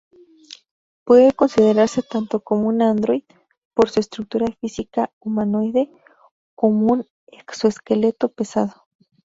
Puede considerarse tanto un androide, por su estructura física humanoide, como un exoesqueleto pesado.